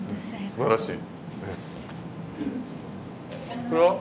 すばらしい。